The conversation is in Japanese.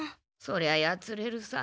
そりゃやつれるさ。